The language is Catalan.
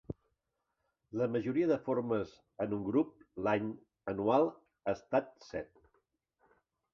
La majoria de formes en un grup l'any/anual ha estat set.